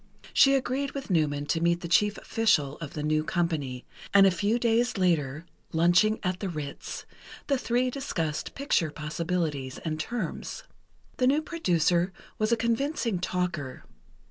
She agreed with Newman to meet the chief official of the new company, and a few days later, lunching at the Ritz, the three discussed picture possibilities and terms. The new producer was a convincing talker.